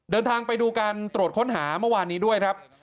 เดินทางไปดูการตรวจค้นหาเมื่อวานนี้ด้วยครับ